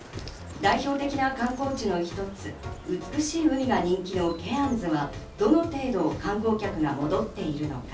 代表的な観光地の一つ、美しい海が人気のケアンズは、どの程度、観光客が戻っているのか？